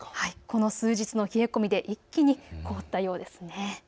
この数日の冷え込みで一気に凍ったようですね。